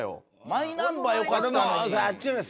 マイナンバー良かったのに。